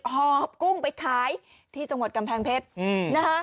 หอบกุ้งไปขายที่จังหวัดกำแพงเพชรนะคะ